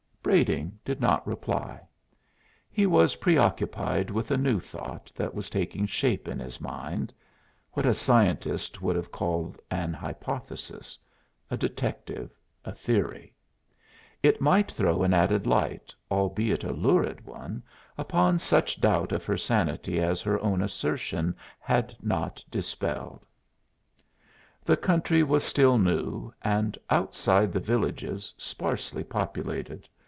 Brading did not reply; he was preoccupied with a new thought that was taking shape in his mind what a scientist would have called an hypothesis; a detective, a theory. It might throw an added light, albeit a lurid one, upon such doubt of her sanity as her own assertion had not dispelled. The country was still new and, outside the villages, sparsely populated.